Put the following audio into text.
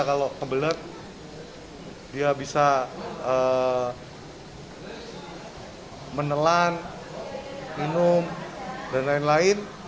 kalau kebelet dia bisa menelan minum dan lain lain